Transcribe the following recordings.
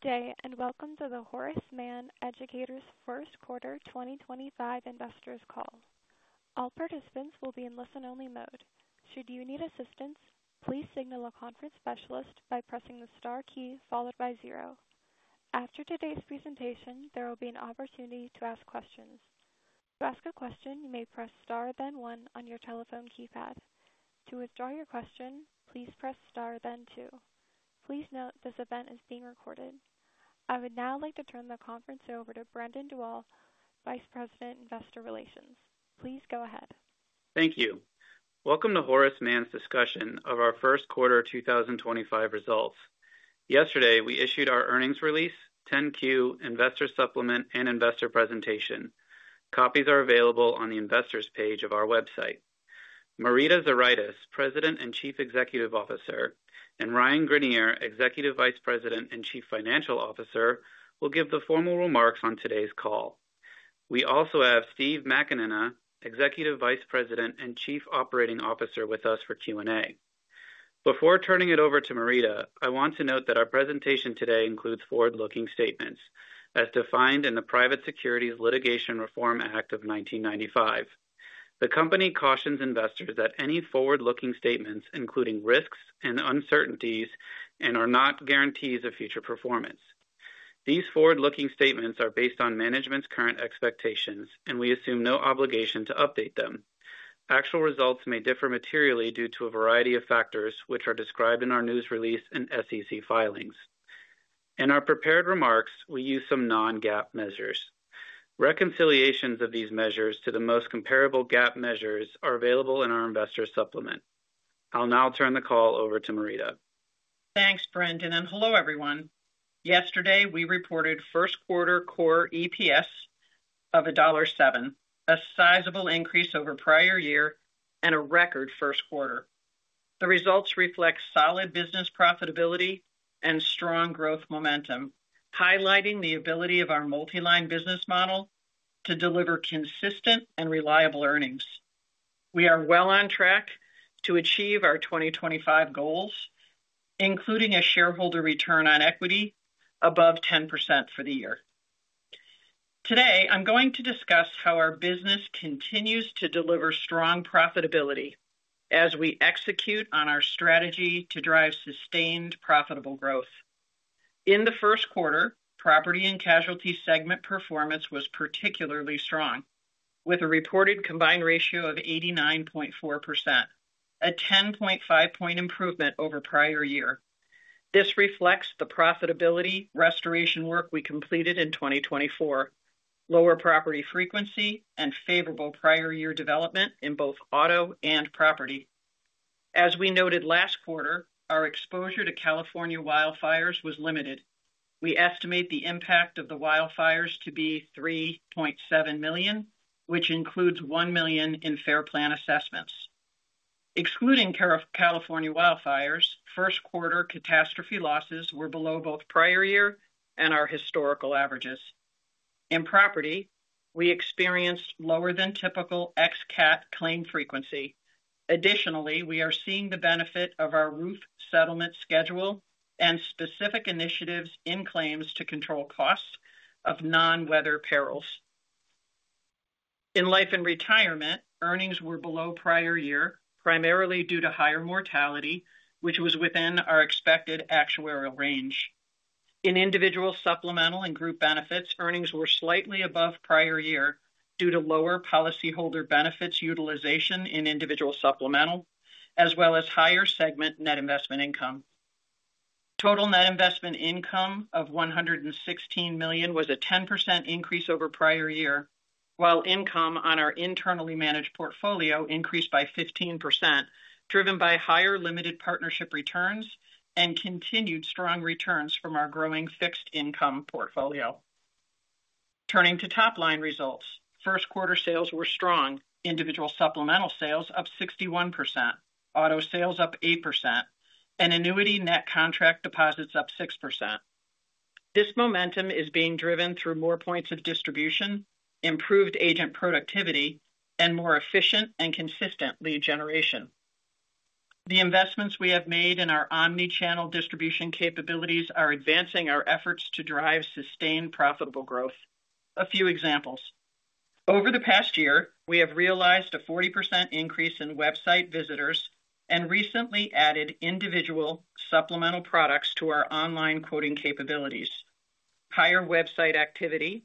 Good day and welcome to the Horace Mann Educators First Quarter 2025 Investors Call. All participants will be in listen-only mode. Should you need assistance, please signal a conference specialist by pressing the star key followed by zero. After today's presentation, there will be an opportunity to ask questions. To ask a question, you may press star then one on your telephone keypad. To withdraw your question, please press star then two. Please note this event is being recorded. I would now like to turn the conference over to Brendan Dawal, Vice President, Investor Relations. Please go ahead. Thank you. Welcome to Horace Mann's discussion of our first quarter 2025 results. Yesterday, we issued our earnings release, 10-Q, investor supplement, and investor presentation. Copies are available on the investors page of our website. Marita Zuraitis, President and Chief Executive Officer, and Ryan Greenier, Executive Vice President and Chief Financial Officer, will give the formal remarks on today's call. We also have Steve McAnena, Executive Vice President and Chief Operating Officer, with us for Q&A. Before turning it over to Marita, I want to note that our presentation today includes forward-looking statements, as defined in the Private Securities Litigation Reform Act of 1995. The company cautions investors that any forward-looking statements, including risks and uncertainties, are not guarantees of future performance. These forward-looking statements are based on management's current expectations, and we assume no obligation to update them. Actual results may differ materially due to a variety of factors, which are described in our news release and SEC filings. In our prepared remarks, we use some non-GAAP measures. Reconciliations of these measures to the most comparable GAAP measures are available in our investor supplement. I'll now turn the call over to Marita. Thanks, Brendan, and hello everyone. Yesterday, we reported first quarter core EPS of $1.07, a sizable increase over prior year and a record first quarter. The results reflect solid business profitability and strong growth momentum, highlighting the ability of our multi-line business model to deliver consistent and reliable earnings. We are well on track to achieve our 2025 goals, including a shareholder return on equity above 10% for the year. Today, I'm going to discuss how our business continues to deliver strong profitability as we execute on our strategy to drive sustained profitable growth. In the first quarter, property and casualty segment performance was particularly strong, with a reported combined ratio of 89.4%, a 10.5-point improvement over prior year. This reflects the profitability restoration work we completed in 2024, lower property frequency, and favorable prior year development in both auto and property. As we noted last quarter, our exposure to California wildfires was limited. We estimate the impact of the wildfires to be $3.7 million, which includes $1 million in FAIR Plan assessments. Excluding California wildfires, first quarter catastrophe losses were below both prior year and our historical averages. In property, we experienced lower than typical ex-cat claim frequency. Additionally, we are seeing the benefit of our roof settlement schedule and specific initiatives in claims to control costs of non-weather perils. In life and retirement, earnings were below prior year, primarily due to higher mortality, which was within our expected actuarial range. In individual supplemental and group benefits, earnings were slightly above prior year due to lower policyholder benefits utilization in individual supplemental, as well as higher segment net investment income. Total net investment income of $116 million was a 10% increase over prior year, while income on our internally managed portfolio increased by 15%, driven by higher limited partnership returns and continued strong returns from our growing fixed income portfolio. Turning to top-line results, first quarter sales were strong, individual supplemental sales up 61%, auto sales up 8%, and annuity net contract deposits up 6%. This momentum is being driven through more points of distribution, improved agent productivity, and more efficient and consistent lead generation. The investments we have made in our omnichannel distribution capabilities are advancing our efforts to drive sustained profitable growth. A few examples. Over the past year, we have realized a 40% increase in website visitors and recently added individual supplemental products to our online quoting capabilities. Higher website activity,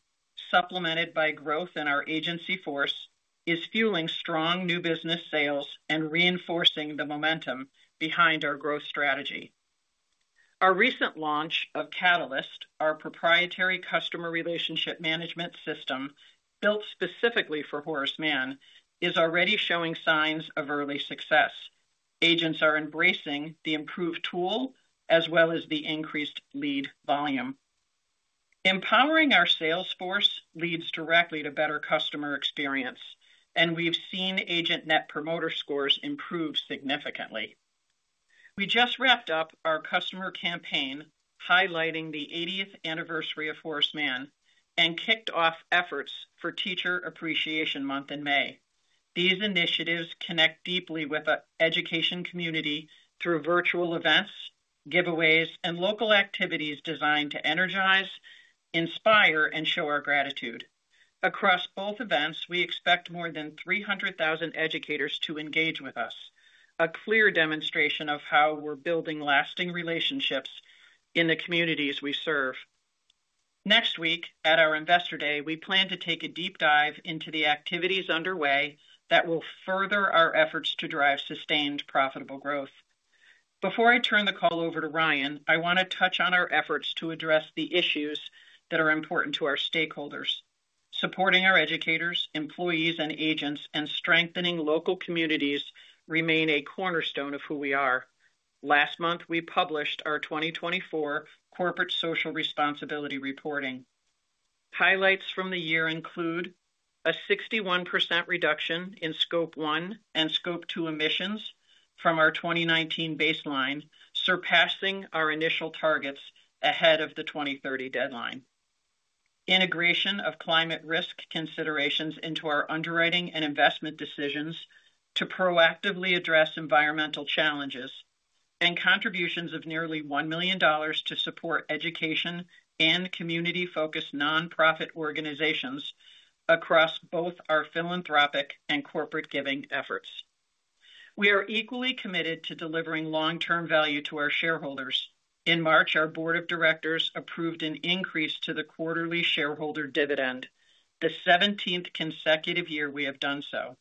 supplemented by growth in our agency force, is fueling strong new business sales and reinforcing the momentum behind our growth strategy. Our recent launch of Catalyst, our proprietary customer relationship management system built specifically for Horace Mann, is already showing signs of early success. Agents are embracing the improved tool as well as the increased lead volume. Empowering our salesforce leads directly to better customer experience, and we've seen agent net promoter scores improve significantly. We just wrapped up our customer campaign highlighting the 80th anniversary of Horace Mann and kicked off efforts for Teacher Appreciation Month in May. These initiatives connect deeply with our education community through virtual events, giveaways, and local activities designed to energize, inspire, and show our gratitude. Across both events, we expect more than 300,000 educators to engage with us, a clear demonstration of how we're building lasting relationships in the communities we serve. Next week at our Investor Day, we plan to take a deep dive into the activities underway that will further our efforts to drive sustained profitable growth. Before I turn the call over to Ryan, I want to touch on our efforts to address the issues that are important to our stakeholders. Supporting our educators, employees, and agents, and strengthening local communities remain a cornerstone of who we are. Last month, we published our 2024 Corporate Social Responsibility Reporting. Highlights from the year include a 61% reduction in scope one and scope two emissions from our 2019 baseline, surpassing our initial targets ahead of the 2030 deadline. Integration of climate risk considerations into our underwriting and investment decisions to proactively address environmental challenges and contributions of nearly $1 million to support education and community-focused nonprofit organizations across both our philanthropic and corporate giving efforts. We are equally committed to delivering long-term value to our shareholders. In March, our Board of Directors approved an increase to the quarterly shareholder dividend, the 17th consecutive year we have done so.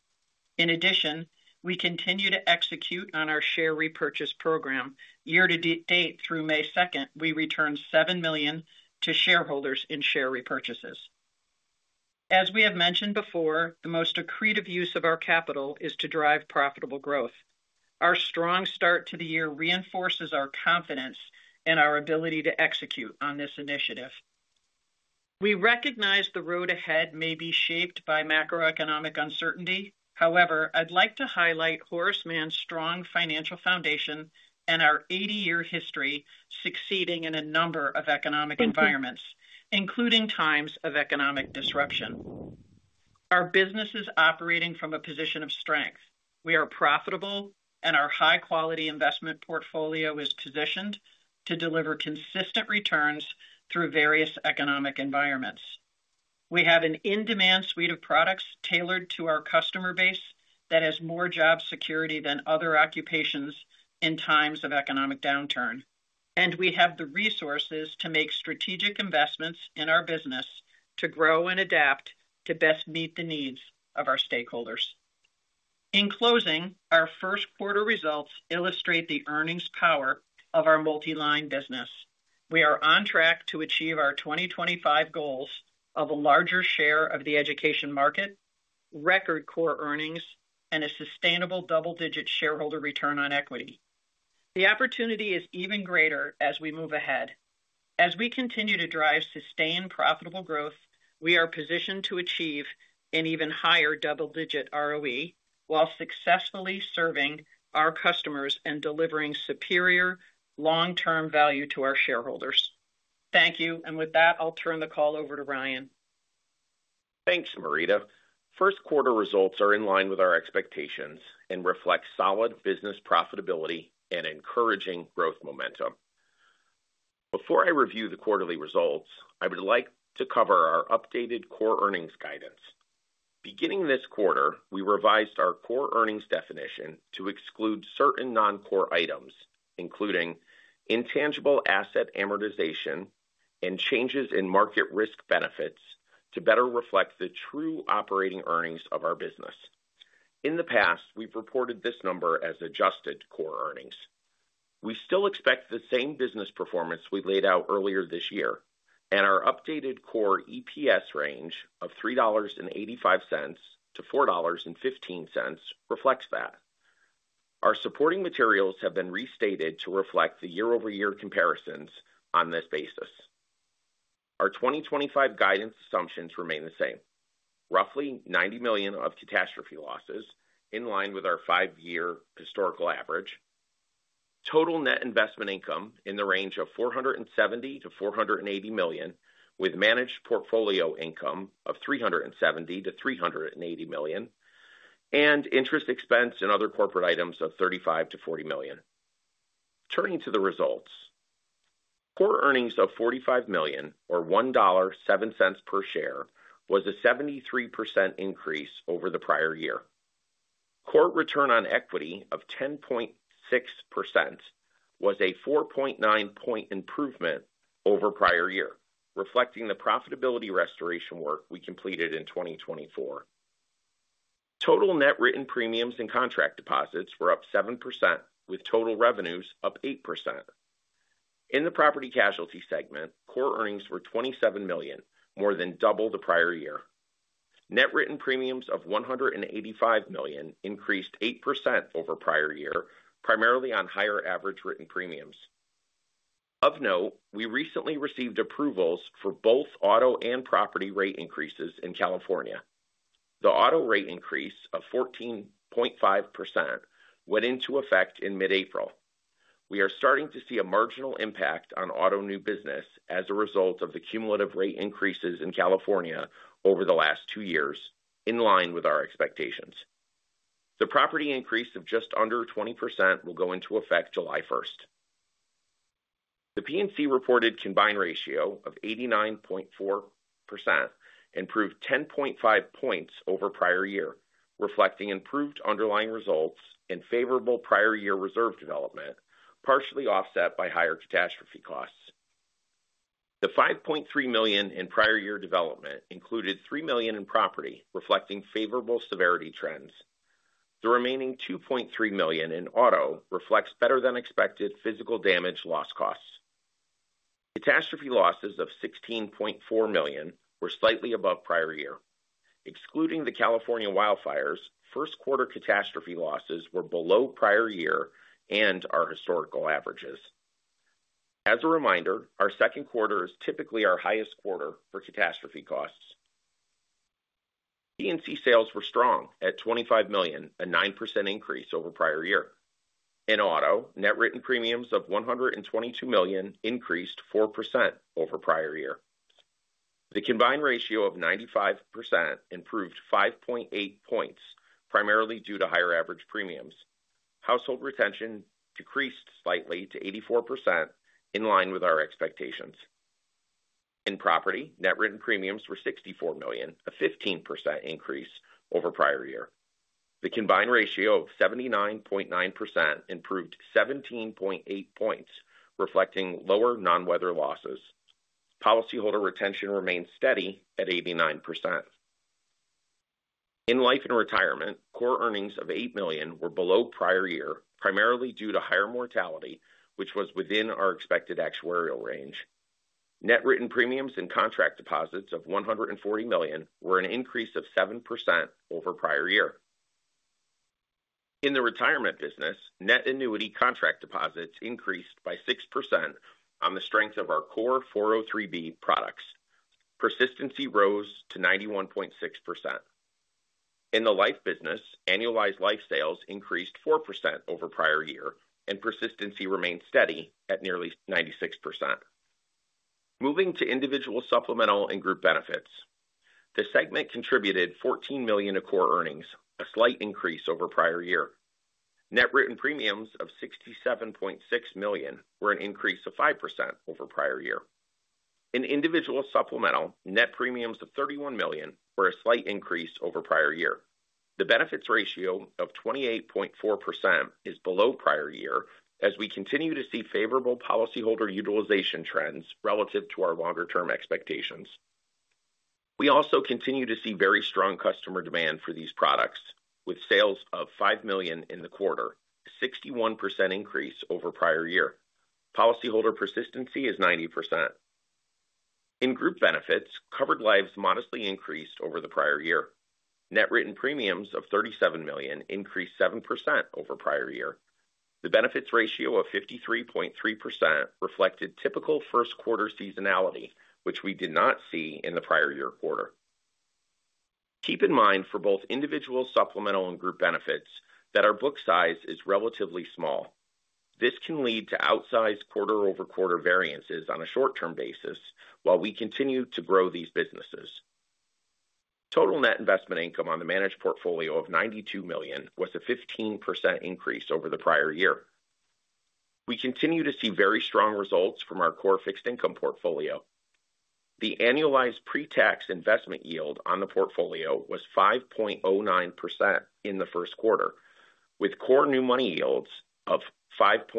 In addition, we continue to execute on our share repurchase program. Year to date through May 2nd, we returned $7 million to shareholders in share repurchases. As we have mentioned before, the most accretive use of our capital is to drive profitable growth. Our strong start to the year reinforces our confidence and our ability to execute on this initiative. We recognize the road ahead may be shaped by macroeconomic uncertainty. However, I'd like to highlight Horace Mann's strong financial foundation and our 80-year history succeeding in a number of economic environments, including times of economic disruption. Our business is operating from a position of strength. We are profitable, and our high-quality investment portfolio is positioned to deliver consistent returns through various economic environments. We have an in-demand suite of products tailored to our customer base that has more job security than other occupations in times of economic downturn, and we have the resources to make strategic investments in our business to grow and adapt to best meet the needs of our stakeholders. In closing, our first quarter results illustrate the earnings power of our multi-line business. We are on track to achieve our 2025 goals of a larger share of the education market, record core earnings, and a sustainable double-digit shareholder return on equity. The opportunity is even greater as we move ahead. As we continue to drive sustained profitable growth, we are positioned to achieve an even higher double-digit ROE while successfully serving our customers and delivering superior long-term value to our shareholders. Thank you, and with that, I'll turn the call over to Ryan. Thanks, Marita. First quarter results are in line with our expectations and reflect solid business profitability and encouraging growth momentum. Before I review the quarterly results, I would like to cover our updated core earnings guidance. Beginning this quarter, we revised our core earnings definition to exclude certain non-core items, including intangible asset amortization and changes in market risk benefits, to better reflect the true operating earnings of our business. In the past, we've reported this number as adjusted core earnings. We still expect the same business performance we laid out earlier this year, and our updated core EPS range of $3.85-$4.15 reflects that. Our supporting materials have been restated to reflect the year-over-year comparisons on this basis. Our 2025 guidance assumptions remain the same: roughly $90 million of catastrophe losses in line with our five-year historical average, total net investment income in the range of $470-$480 million, with managed portfolio income of $370-$380 million, and interest expense and other corporate items of $35-$40 million. Turning to the results, core earnings of $45 million, or $1.07 per share, was a 73% increase over the prior year. Core return on equity of 10.6% was a 4.9-point improvement over prior year, reflecting the profitability restoration work we completed in 2024. Total net written premiums and contract deposits were up 7%, with total revenues up 8%. In the property casualty segment, core earnings were $27 million, more than double the prior year. Net written premiums of $185 million increased 8% over prior year, primarily on higher average written premiums. Of note, we recently received approvals for both auto and property rate increases in California. The auto rate increase of 14.5% went into effect in mid-April. We are starting to see a marginal impact on auto new business as a result of the cumulative rate increases in California over the last two years, in line with our expectations. The property increase of just under 20% will go into effect July 1st. The P&C reported combined ratio of 89.4% improved 10.5 percentage points over prior year, reflecting improved underlying results and favorable prior year reserve development, partially offset by higher catastrophe costs. The $5.3 million in prior year development included $3 million in property, reflecting favorable severity trends. The remaining $2.3 million in auto reflects better-than-expected physical damage loss costs. Catastrophe losses of $16.4 million were slightly above prior year. Excluding the California wildfires, first quarter catastrophe losses were below prior year and our historical averages. As a reminder, our second quarter is typically our highest quarter for catastrophe costs. P&C sales were strong at $25 million, a 9% increase over prior year. In auto, net written premiums of $122 million increased 4% over prior year. The combined ratio of 95% improved 5.8 percentage points, primarily due to higher average premiums. Household retention decreased slightly to 84%, in line with our expectations. In property, net written premiums were $64 million, a 15% increase over prior year. The combined ratio of 79.9% improved 17.8 percentage points, reflecting lower non-weather losses. Policyholder retention remained steady at 89%. In life and retirement, core earnings of $8 million were below prior year, primarily due to higher mortality, which was within our expected actuarial range. Net written premiums and contract deposits of $140 million were an increase of 7% over prior year. In the retirement business, net annuity contract deposits increased by 6% on the strength of our core 403(b) products. Persistency rose to 91.6%. In the life business, annualized life sales increased 4% over prior year, and persistency remained steady at nearly 96%. Moving to individual supplemental and group benefits. The segment contributed $14 million of core earnings, a slight increase over prior year. Net written premiums of $67.6 million were an increase of 5% over prior year. In individual supplemental, net premiums of $31 million were a slight increase over prior year. The benefits ratio of 28.4% is below prior year as we continue to see favorable policyholder utilization trends relative to our longer-term expectations. We also continue to see very strong customer demand for these products, with sales of $5 million in the quarter, a 61% increase over prior year. Policyholder persistency is 90%. In group benefits, covered lives modestly increased over the prior year. Net written premiums of $37 million increased 7% over prior year. The benefits ratio of 53.3% reflected typical first quarter seasonality, which we did not see in the prior year quarter. Keep in mind for both individual supplemental and group benefits that our book size is relatively small. This can lead to outsized quarter-over-quarter variances on a short-term basis while we continue to grow these businesses. Total net investment income on the managed portfolio of $92 million was a 15% increase over the prior year. We continue to see very strong results from our core fixed income portfolio. The annualized pre-tax investment yield on the portfolio was 5.09% in the first quarter, with core new money yields of 5.51%. This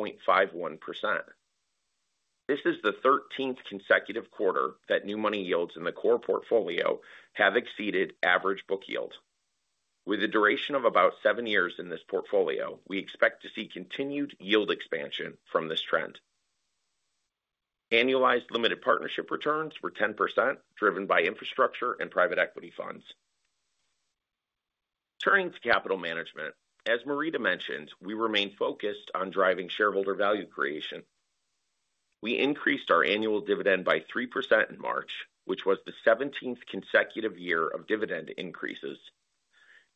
is the 13th consecutive quarter that new money yields in the core portfolio have exceeded average book yield. With a duration of about seven years in this portfolio, we expect to see continued yield expansion from this trend. Annualized limited partnership returns were 10%, driven by infrastructure and private equity funds. Turning to capital management, as Marita mentioned, we remain focused on driving shareholder value creation. We increased our annual dividend by 3% in March, which was the 17th consecutive year of dividend increases,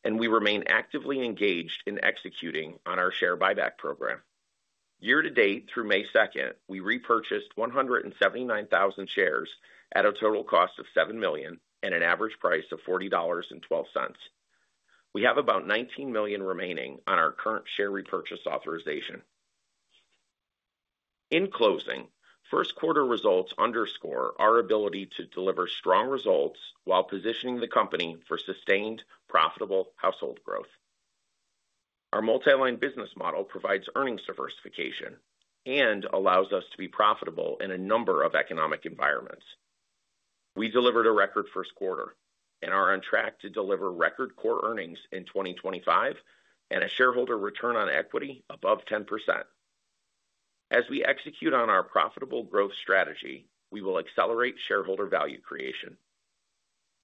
and we remain actively engaged in executing on our share buyback program. Year to date, through May 2nd, we repurchased 179,000 shares at a total cost of $7 million and an average price of $40.12. We have about $19 million remaining on our current share repurchase authorization. In closing, first quarter results underscore our ability to deliver strong results while positioning the company for sustained profitable household growth. Our multi-line business model provides earnings diversification and allows us to be profitable in a number of economic environments. We delivered a record first quarter and are on track to deliver record core earnings in 2025 and a shareholder return on equity above 10%. As we execute on our profitable growth strategy, we will accelerate shareholder value creation.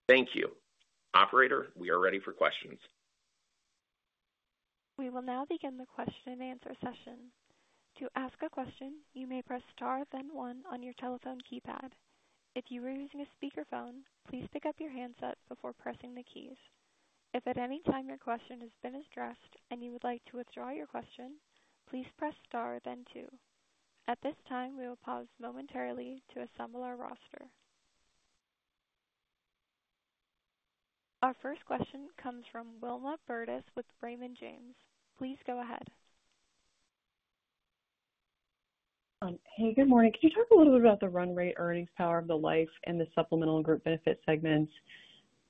Thank you. Operator, we are ready for questions. We will now begin the question and answer session. To ask a question, you may press star, then one on your telephone keypad. If you are using a speakerphone, please pick up your handset before pressing the keys. If at any time your question has been addressed and you would like to withdraw your question, please press star, then two. At this time, we will pause momentarily to assemble our roster. Our first question comes from Wilma Burdis with Raymond James. Please go ahead. Hey, good morning. Could you talk a little bit about the run rate earnings power of the life and the supplemental and group benefit segments?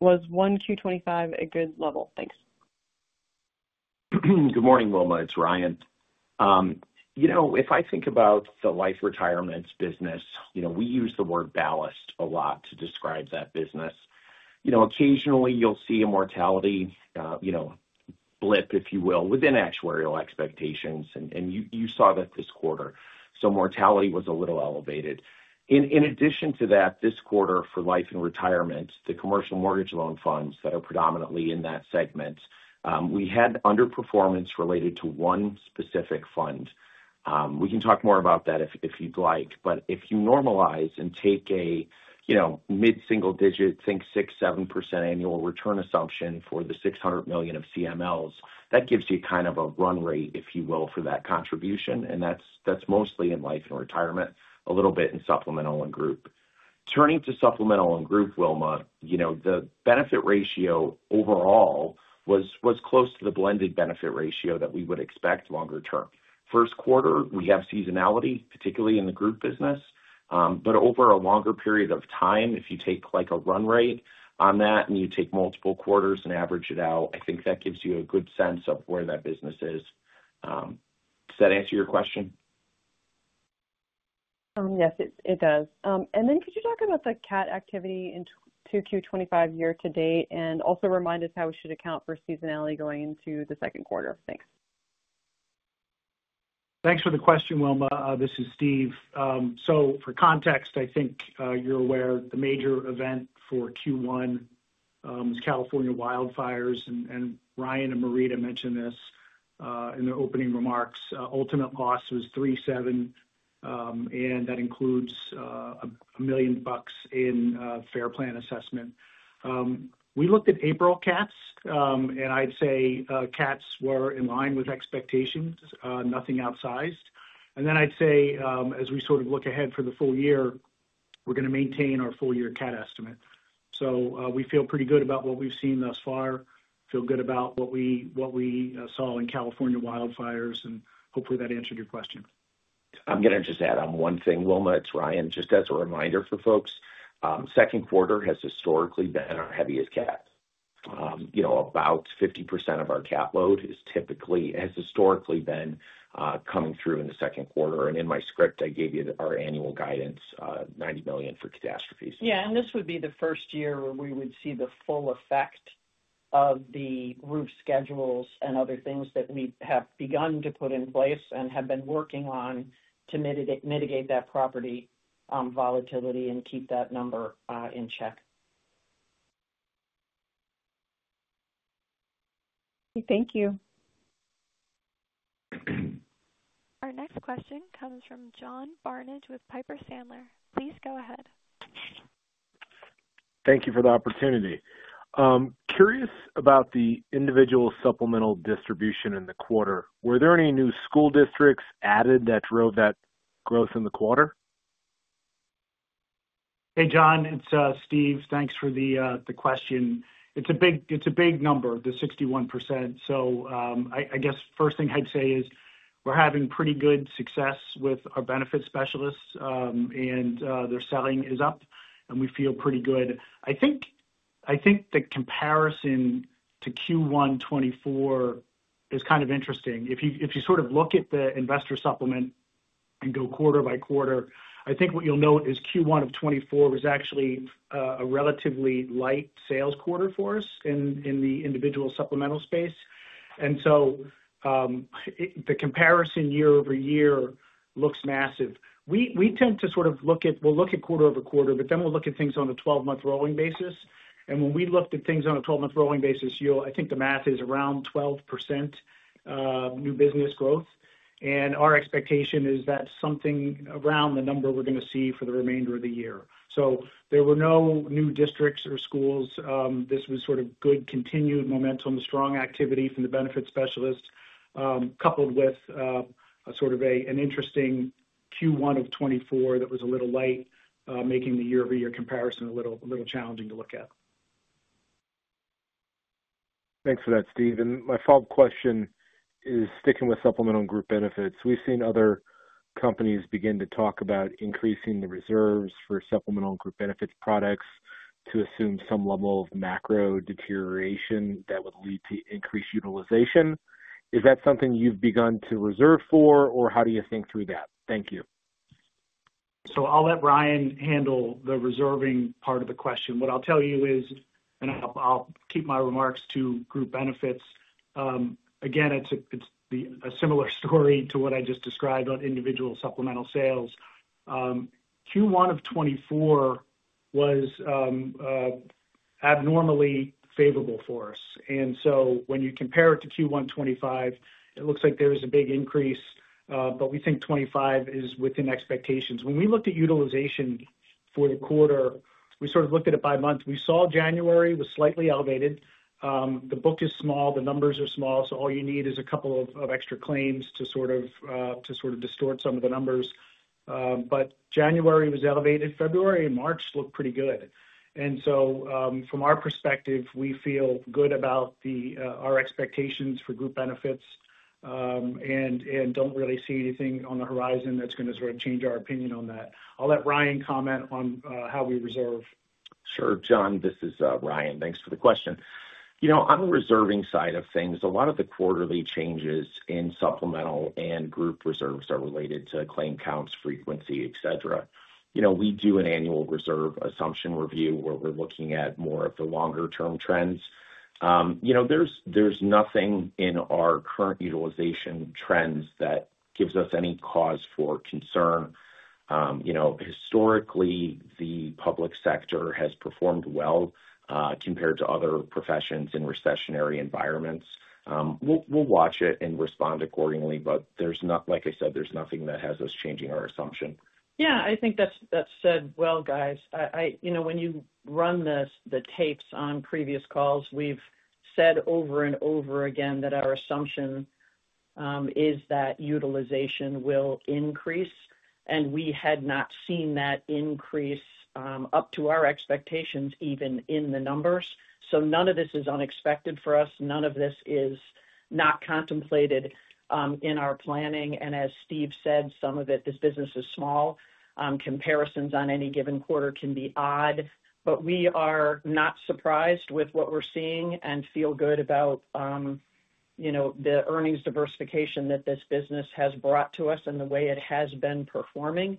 Was 1Q 2025 a good level? Thanks. Good morning, Wilma. It's Ryan. You know, if I think about the life retirements business, you know, we use the word ballast a lot to describe that business. You know, occasionally you'll see a mortality, you know, blip, if you will, within actuarial expectations, and you saw that this quarter. So mortality was a little elevated. In addition to that, this quarter for life and retirement, the commercial mortgage loan funds that are predominantly in that segment, we had underperformance related to one specific fund. We can talk more about that if you'd like, but if you normalize and take a, you know, mid-single digit, think 6%, 7% annual return assumption for the $600 million of CMLs, that gives you kind of a run rate, if you will, for that contribution, and that's mostly in life and retirement, a little bit in supplemental and group. Turning to supplemental and group, Wilma, you know, the benefit ratio overall was close to the blended benefit ratio that we would expect longer term. First quarter, we have seasonality, particularly in the group business, but over a longer period of time, if you take like a run rate on that and you take multiple quarters and average it out, I think that gives you a good sense of where that business is. Does that answer your question? Yes, it does. Could you talk about the CAT activity in 2Q 2025 year to date and also remind us how we should account for seasonality going into the second quarter? Thanks. Thanks for the question, Wilma. This is Steve. For context, I think you're aware the major event for Q1 was California wildfires, and Ryan and Marita mentioned this in their opening remarks. Ultimate loss was $37 million, and that includes $1 million in FAIR Plan assessment. We looked at April CATs, and I'd say CATs were in line with expectations, nothing outsized. I'd say, as we sort of look ahead for the full year, we're going to maintain our full year CAT estimate. We feel pretty good about what we've seen thus far, feel good about what we saw in California wildfires, and hopefully that answered your question. I'm going to just add on one thing, Wilma, it's Ryan, just as a reminder for folks. Second quarter has historically been our heaviest CAT. You know, about 50% of our CAT load has historically been coming through in the second quarter, and in my script, I gave you our annual guidance, $90 million for catastrophes. Yeah, this would be the first year where we would see the full effect of the roof schedules and other things that we have begun to put in place and have been working on to mitigate that property volatility and keep that number in check. Thank you. Our next question comes from John Barnidge with Piper Sandler. Please go ahead. Thank you for the opportunity. Curious about the individual supplemental distribution in the quarter. Were there any new school districts added that drove that growth in the quarter? Hey, John, it's Steve. Thanks for the question. It's a big number, the 61%. I guess first thing I'd say is we're having pretty good success with our benefit specialists, and their selling is up, and we feel pretty good. I think the comparison to Q1 2024 is kind of interesting. If you sort of look at the investor supplement and go quarter by quarter, I think what you'll note is Q1 of 2024 was actually a relatively light sales quarter for us in the individual supplemental space. The comparison year over year looks massive. We tend to sort of look at, we'll look at quarter over quarter, but then we'll look at things on a 12-month rolling basis. When we looked at things on a 12-month rolling basis, I think the math is around 12% new business growth, and our expectation is that's something around the number we're going to see for the remainder of the year. There were no new districts or schools. This was sort of good continued momentum, strong activity from the benefit specialists, coupled with sort of an interesting Q1 of 2024 that was a little light, making the year-over-year comparison a little challenging to look at. Thanks for that, Stephen. My follow-up question is sticking with supplemental and group benefits. We've seen other companies begin to talk about increasing the reserves for supplemental and group benefits products to assume some level of macro deterioration that would lead to increased utilization. Is that something you've begun to reserve for, or how do you think through that? Thank you. I'll let Ryan handle the reserving part of the question. What I'll tell you is, and I'll keep my remarks to group benefits. Again, it's a similar story to what I just described on individual supplemental sales. Q1 of 2024 was abnormally favorable for us. When you compare it to Q1 2025, it looks like there is a big increase, but we think 2025 is within expectations. When we looked at utilization for the quarter, we sort of looked at it by month. We saw January was slightly elevated. The book is small, the numbers are small, so all you need is a couple of extra claims to sort of distort some of the numbers. January was elevated. February and March looked pretty good. From our perspective, we feel good about our expectations for group benefits and do not really see anything on the horizon that is going to sort of change our opinion on that. I'll let Ryan comment on how we reserve. Sure, John, this is Ryan. Thanks for the question. You know, on the reserving side of things, a lot of the quarterly changes in supplemental and group reserves are related to claim counts, frequency, et cetera. You know, we do an annual reserve assumption review where we're looking at more of the longer-term trends. You know, there's nothing in our current utilization trends that gives us any cause for concern. You know, historically, the public sector has performed well compared to other professions in recessionary environments. We'll watch it and respond accordingly, but there's not, like I said, there's nothing that has us changing our assumption. Yeah, I think that's said well, guys. You know, when you run the tapes on previous calls, we've said over and over again that our assumption is that utilization will increase, and we had not seen that increase up to our expectations even in the numbers. None of this is unexpected for us. None of this is not contemplated in our planning. As Steve said, some of it, this business is small. Comparisons on any given quarter can be odd, but we are not surprised with what we're seeing and feel good about, you know, the earnings diversification that this business has brought to us and the way it has been performing.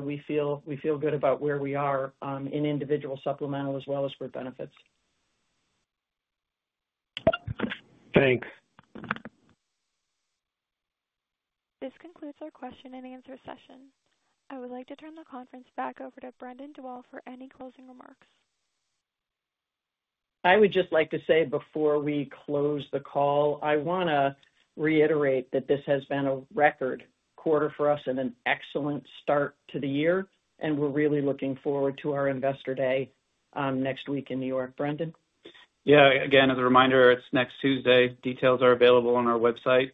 We feel good about where we are in individual supplemental as well as group benefits. This concludes our question and answer session. I would like to turn the conference back over to Brendan DeWall for any closing remarks. I would just like to say before we close the call, I want to reiterate that this has been a record quarter for us and an excellent start to the year, and we're really looking forward to our Investor Day next week in New York. Brendan. Yeah, again, as a reminder, it's next Tuesday. Details are available on our website.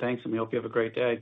Thanks, and we hope you have a great day.